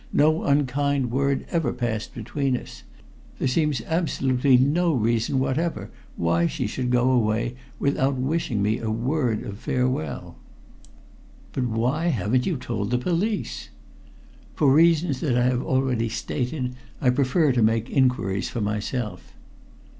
No unkind word ever passed between us. There seems absolutely no reason whatever why she should go away without wishing me a word of farewell." "But why haven't you told the police?" "For reasons that I have already stated. I prefer to make inquiries for myself."